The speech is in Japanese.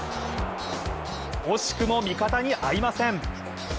惜しくも味方に合いません。